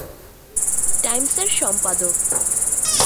টাইমসের সম্পাদক।